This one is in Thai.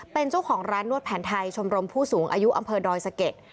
เป็นเจ้าของร้านนวดแผนไทยชมรมผู้สูงอายุอำเภอดอยสะเก็ด